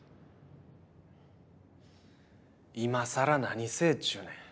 今更何せえちゅうねん。